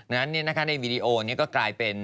นั้นในวีดีโอนี้ก็กลายเป็น